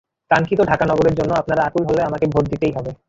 কাঙ্ক্ষিত ঢাকা নগরের জন্য আপনারা আকুল হলে আমাকে ভোট দিতেই হবে।